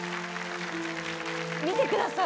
見てください。